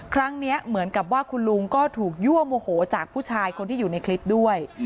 ครั้งนี้เหมือนกับว่าคุณลุงก็ถูกยั่วโมโหจากผู้ชายคนที่อยู่ในคลิปด้วย